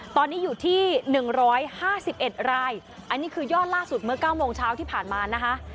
ตอนนี้อยู่ที่๑๕๑รายอันนี้คือยอดล่าสุดเมื่อ๙โมงเช้าที่ผ่านมานะคะ